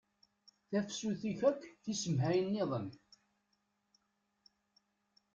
Tafsut tif akk tisemhay-nniḍen